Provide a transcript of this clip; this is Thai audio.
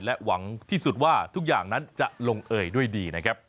หวังที่สุดว่าทุกอย่างนั้นจะลงเอ่ยด้วยดีนะครับ